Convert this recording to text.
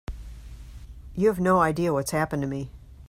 You have no idea what's happened to me.